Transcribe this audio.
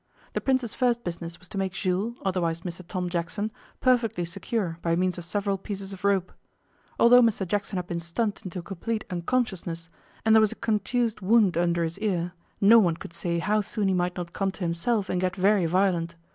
The Prince's first business was to make Jules, otherwise Mr Tom Jackson, perfectly secure by means of several pieces of rope. Although Mr Jackson had been stunned into a complete unconsciousness, and there was a contused wound under his ear, no one could say how soon he might not come to himself and get very violent.